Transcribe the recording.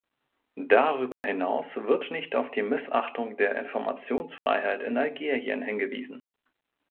Darüber hinaus wird nicht auf die Missachtung der Informationsfreiheit in Algerien hingewiesen.